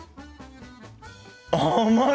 甘い！